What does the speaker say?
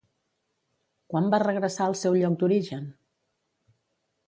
Quan va regressar al seu lloc d'origen?